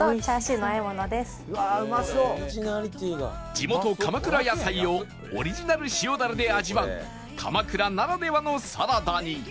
地元鎌倉野菜をオリジナル塩ダレで味わう鎌倉ならではのサラダに